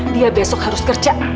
dia besok harus kerja